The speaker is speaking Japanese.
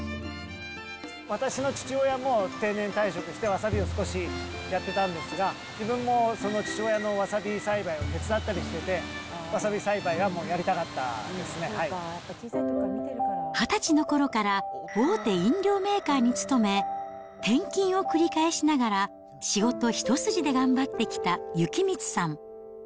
私の父親も定年退職して、わさびを少しやってたんですが、自分もその父親のわさび栽培を手伝ったりしてて、わさび栽培はも２０歳のころから、大手飲料メーカーに勤め、転勤を繰り返しながら、仕事一筋で頑張ってきた幸光さん。